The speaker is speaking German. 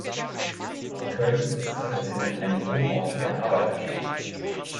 Arcueil ist traditionell ein Wohnort der Arbeiterschaft.